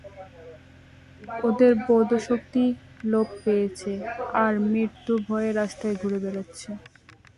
ওদের বোধশক্তি লোপ পেয়েছে আর মৃত্যু ভয়ে রাস্তায় ঘুরে বেড়াচ্ছে।